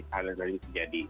hal hal yang terjadi